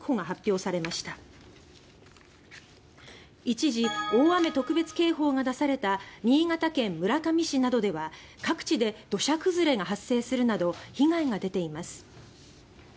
一時、大雨特別警報が出された新潟県村上市などでは各地で土砂崩れが発生するなど被害が出ています。